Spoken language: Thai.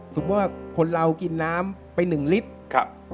สมมุติว่าคนเรากินน้ำไป๑ลิตร